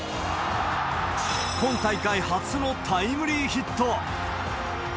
今大会初のタイムリーヒット。